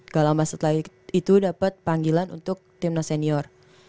gak lama setelah itu dapat panggilan untuk timnas senior